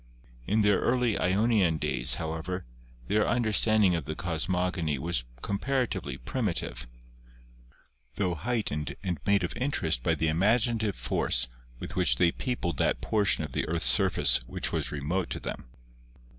In their early Ionian days, however, their under standing of the cosmogony was comparatively primitive, THE ANCIENT COSMOGONIES 3 tho heightened and made of interest by the imaginative force with which they peopled that portion of the Earth's surface which was remote to them.